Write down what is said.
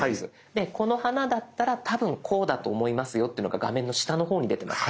でこの花だったら多分こうだと思いますよっていうのが画面の下の方に出てます。